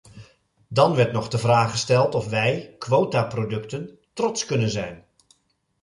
Dan werd nog de vraag gesteld of wij, quotaproducten, trots kunnen zijn.